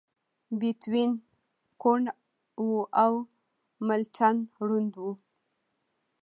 بيتووين کوڼ و او ملټن ړوند و.